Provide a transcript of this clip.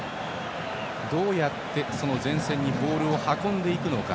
どうやって前線にボールを運んでいくのか。